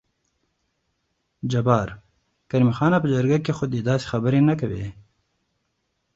جبار: کريم خانه په جرګه کې خو دې داسې خبرې نه کوې.